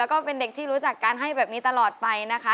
แล้วก็เป็นเด็กที่รู้จักการให้แบบนี้ตลอดไปนะคะ